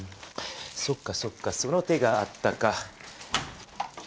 そっかそっかその手があったか。